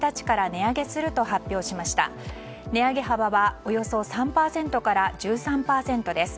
値上げ幅はおよそ３％から１３％です。